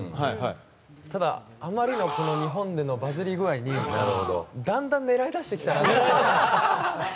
ただ、あまりの日本でのバズり具合にだんだん狙いだしてきたなと。